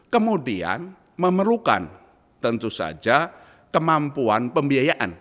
kemudian memerlukan tentu saja kemampuan pembiayaan